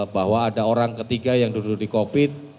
bahwa ada orang ketiga yang duduk di covid